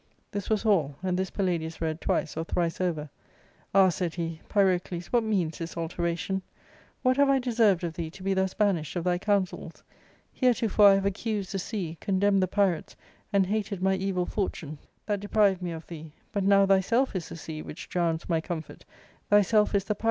This was all, and this Palladius read twice or thrice over. *' Ah," said he, " Pyrocles, what means this alteration ? What have I deserved of thee to be thus banished of thy counsels ? Heretofore I have accused the sea, condemned the pirates, and hated my evil fortune that deprived me of thee ; but now thyself is the sea which drowns my comfort, thyself is the pir?